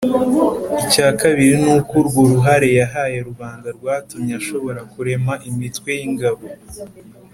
icya kabiri ni uko urwo ruhare yahaye rubanda rwatumye ashobora kurema imitwe y'ingabo